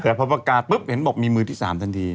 แต่พอประกาศปุ๊บเห็นบอกมีมือที่๓ทันที